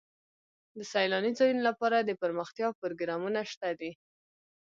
د سیلاني ځایونو لپاره دپرمختیا پروګرامونه شته دي.